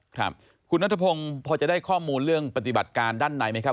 ครับคุณนัทพงศ์พอจะได้ข้อมูลเรื่องปฏิบัติการด้านในไหมครับ